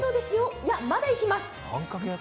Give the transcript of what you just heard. いや、まだいいます。